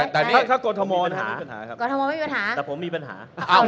แต่เขากรทมมีปัญหา